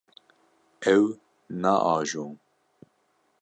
Ew naajon.